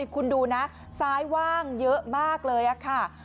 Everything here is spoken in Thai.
คุณดูนะซ้ายว่างเยอะมากเลยค่ะ